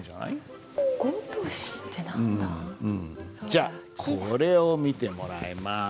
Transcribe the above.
じゃあこれを見てもらいます。